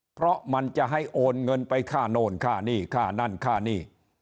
เพราะมันจะให้โอนเงินไปค่าโน่นค่านี่ค่านั่นค่าหนี้